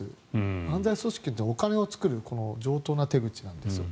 犯罪組織にとって、お金を作る常とうな手口なんですよ。